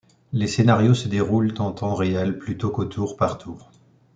Les scénarios se déroulent en temps réel plutôt qu’au tour par tour.